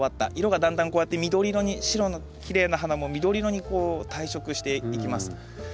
色がだんだんこうやって緑色に白のきれいな花も緑色にこう退色していきます。